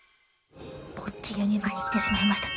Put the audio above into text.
ぼっちユニバに来てしまいました。